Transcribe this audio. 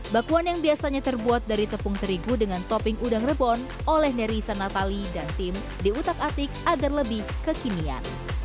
bakwan yang biasanya terbuat dari tepung terigu dengan topping udang rebun oleh nerisa natali dan tim di utak atik agar lebih kekimian